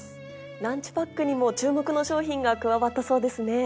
ランチパックにも注目の商品が加わったそうですね。